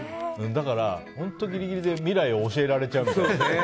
だから、本当ギリギリで未来を教えられちゃうみたいな。